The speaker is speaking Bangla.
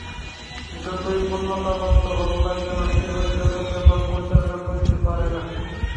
যতই পূর্ণতাপ্রাপ্ত হউক না কেন, কেহই জগৎ-ব্যাপার পরিচালনা করিতে পারে না।